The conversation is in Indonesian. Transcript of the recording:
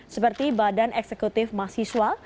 seperti badan eksekutif mahasiswa